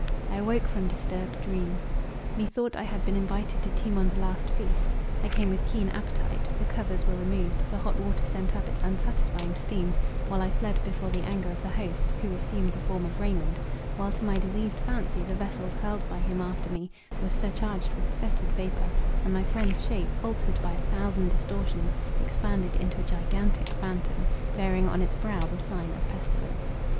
I awoke from disturbed dreams. Methought I had been invited to Timon's last feast; I came with keen appetite, the covers were removed, the hot water sent up its unsatisfying steams, while I fled before the anger of the host, who assumed the form of Raymond; while to my diseased fancy, the vessels hurled by him after me, were surcharged with fetid vapour, and my friend's shape, altered by a thousand distortions, expanded into a gigantic phantom, bearing on its brow the sign of pestilence.